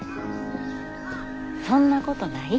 そんなことない。